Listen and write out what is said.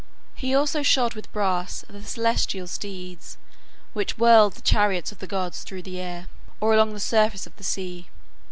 He also shod with brass the celestial steeds, which whirled the chariots of the gods through the air, or along the surface of the sea.